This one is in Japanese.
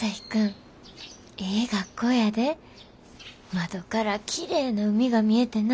窓からきれいな海が見えてな。